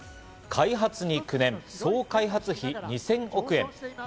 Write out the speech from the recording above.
開発に９年、総開発費２０００億円。